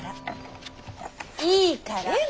いいから。